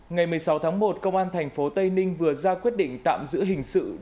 ngày một mươi sáu tháng một công an tp tây ninh vừa ra quyết định tạm giữ hình sự